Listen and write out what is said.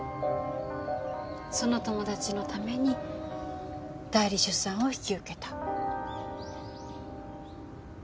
その友達のために代理出産を引き受けた。